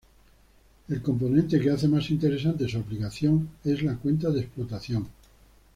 El componente que hace más interesante su aplicación es la cuenta de explotación.